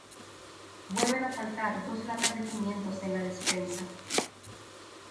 vuelven a faltar dos latas de pimientos en la despensa.